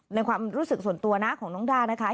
ในความรู้สึกส่วนตัวนะของน้องด้านะคะ